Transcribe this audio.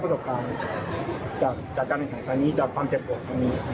ประสบการณ์จากการบังคับทางนี้จากความเจ็บปวดจากนี้นั้น